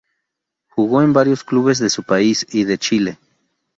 Jugó en varios clubes de su país y de Chile.